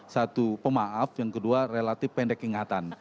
satu pemaaf yang kedua relatif pendek ingatan